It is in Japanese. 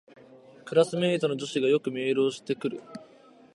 クラスメイトの女子がよくメールをしてくる